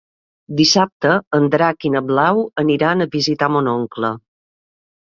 Dissabte en Drac i na Blau aniran a visitar mon oncle.